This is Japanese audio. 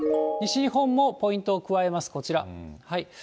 西日本もポイントを加えます、こちら。